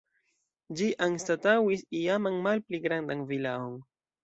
Ĝi anstataŭis iaman malpli grandan vilaon.